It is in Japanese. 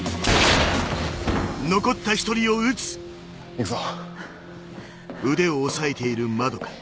行くぞ。